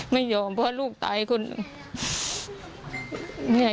ไม่ยอมเพราะลูกตายคือ